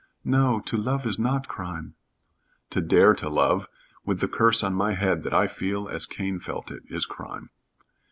"No. To love is not crime." "To dare to love with the curse on my head that I feel as Cain felt it is crime.